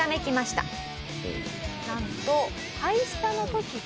なんと。